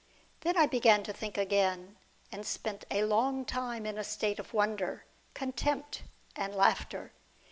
209 Then I began to think again, and spent a long time in a state of wonder, contempt, and laughter.